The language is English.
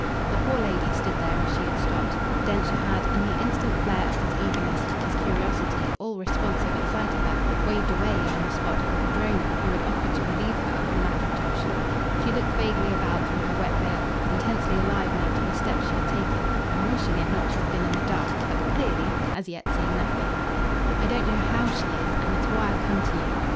The poor lady stood there as she had stopped; Densher had, in the instant flare of his eagerness, his curiosity, all responsive at sight of her, waved away, on the spot, the padrona, who had offered to relieve her of her mackintosh. She looked vaguely about through her wet veil, intensely alive now to the step she had taken and wishing it not to have been in the dark, but clearly, as yet, seeing nothing. "I don't know HOW she is and it's why I've come to you."